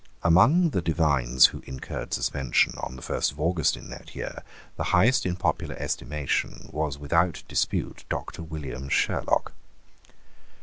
Among the divines who incurred suspension on the first of August in that year, the highest in popular estimation was without dispute Doctor William Sherlock.